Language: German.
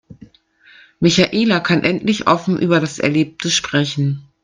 Michaela kann endlich offen über das Erlebte sprechen.